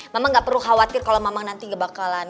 mama gak perlu khawatir kalau mama nanti gak bakalan